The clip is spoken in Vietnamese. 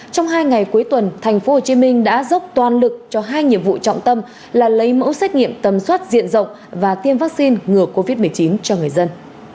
trong hai ngày cuối tuần tp hcm đã dốc toàn lực cho hai nhiệm vụ trọng tâm là lấy mẫu xét nghiệm tầm soát diện rộng và tiêm vaccine ngừa covid một mươi chín cho người dân